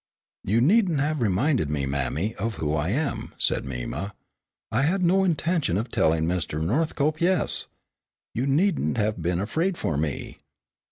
"You needn't have reminded me, mammy, of who I am," said Mima. "I had no intention of telling Mr. Northcope yes. You needn't have been afraid for me."